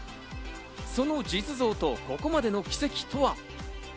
その実像とここまでの軌跡とは。